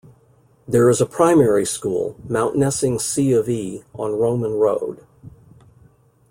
There is a primary school, Mountnessing C of E, on Roman Road.